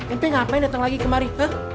ente ngapain datang lagi kemari